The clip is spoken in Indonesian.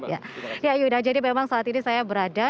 ya yuda jadi memang saat ini saya berada